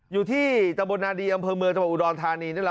อยู่ที่ตะบนนาดีอำเภอเมืองตะบอนอุดรทานีนั่นแหละ